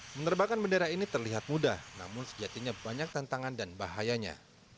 menerbangkan bendera ini terlihat mudah namun sejatinya banyak tantangan dan bahayanya